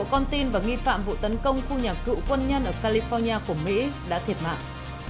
một con tin và nghi phạm vụ tấn công khu nhà cựu quân nhân ở california của mỹ đã thiệt mạng